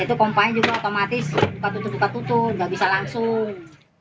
itu pompanya juga otomatis buka tutup buka tutup nggak bisa langsung